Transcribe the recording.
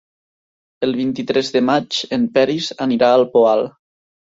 El vint-i-tres de maig en Peris anirà al Poal.